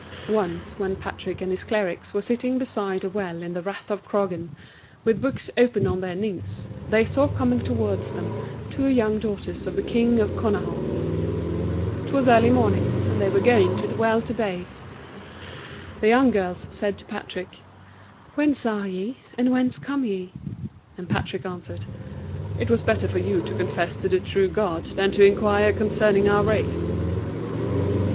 Once when Patrick and his clericks were sitting beside a well in the Rath of Croghan, with books open on their knees, they saw coming towards them the two young daughters of the King of Connaught. 'Twas early morning, and they were going to the well to bathe. The young girls said to Patrick, "Whence are ye, and whence come ye?" and Patrick answered, "It were better for you to confess to the true God than to inquire concerning our race."